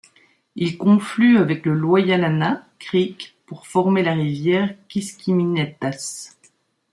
Il conflue avec le Loyalhanna Creek pour former la rivière Kiskiminetas.